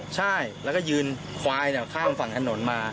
ใช่แล้วก็ยืนควายข้ามฝั่งถนนมา